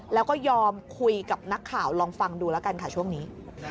แล้วก็ยอมคุยกับนักข่าวลองฟังดูแล้วกันค่ะช่วงนี้